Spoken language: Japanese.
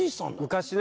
昔ね。